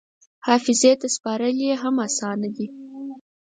حافظې ته سپارل یې هم اسانه دي.